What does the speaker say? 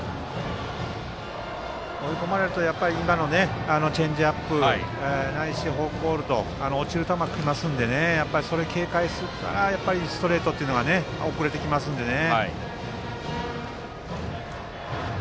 追い込まれるとチェンジアップないしフォークボールと落ちる球が来ますのでそれを警戒していたらストレートに遅れてきますね。